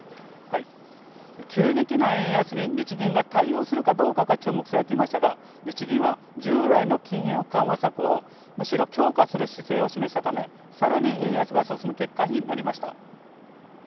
急激な円安に日銀が対応するかどうかが注目されていましたが、日銀は従来の金融緩和策をむしろ強化する姿勢を示したため、さらに円安が進む結果になりました。